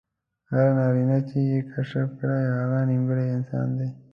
هر نارینه چې یې کشف کړي هغه نېکمرغه انسان دی.